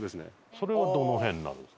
それはどの辺になるんですか？